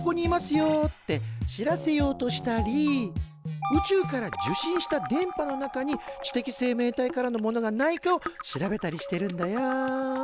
よって知らせようとしたり宇宙から受信した電波の中に知的生命体からのものがないかを調べたりしてるんだよ。